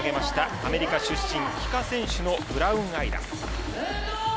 アメリカ出身帰化選手のブラウンアイラ。